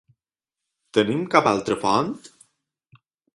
Tenim cap altra font?